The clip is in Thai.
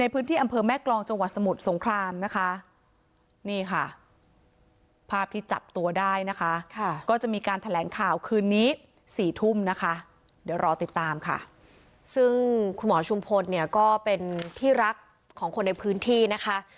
ซึ่งรอติดตามค่ะซึ่งคุณหมอชุมพลเนี่ยก็เป็นที่รักของคนในพื้นที่นะคะ